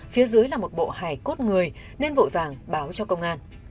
phía dưới là một bộ hải cốt người nên vội vàng báo cho công an